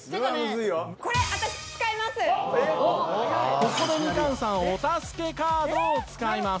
ここでみかんさんお助けカードを使います。